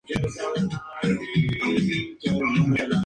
Es hijo del expresidente Zaid al-Rifai y nieto de Samir al-Rifai.